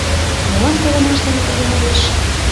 Молан колымаш дене тыге модеш?